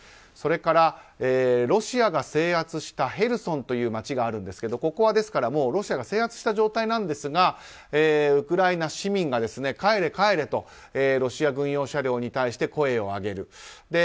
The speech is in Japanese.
それから、ロシアが制圧したヘルソンという町があるんですがここはロシアが制圧した状態なんですがウクライナ市民が、帰れ、帰れとロシア軍用車両に対して声を上げる。